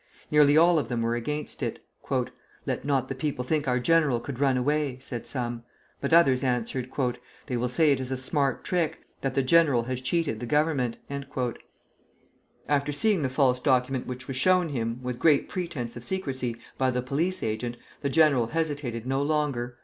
Nearly all of them were against it. "Let not the people think our general could run away," said some. But others answered, "They will say it is a smart trick; that the general has cheated the Government." [Footnote 1: Les Coulisses du Boulangisme.] After seeing the false document which was shown him, with great pretence of secrecy, by the police agent, the general hesitated no longer.